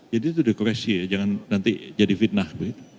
jadi itu dikoreksi ya jangan nanti jadi fitnah